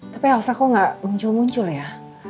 tapi elsa kok nggak muncul muncul ya